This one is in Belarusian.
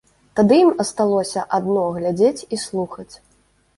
Тады ім асталося адно глядзець і слухаць.